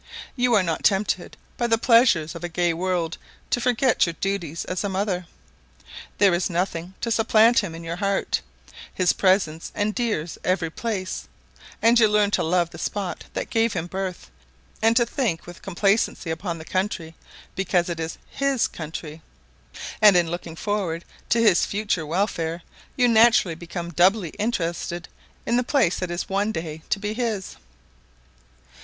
You are not tempted by the pleasures of a gay world to forget your duties as a mother; there is nothing to supplant him in your heart; his presence endears every place; and you learn to love the spot that gave him birth, and to think with complacency upon the country, because it is his country; and in looking forward to his future welfare you naturally become doubly interested in the place that is one day to be his.